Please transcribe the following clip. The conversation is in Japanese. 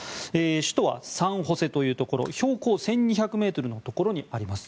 首都はサンホセというところ標高１２００ｍのところにあります。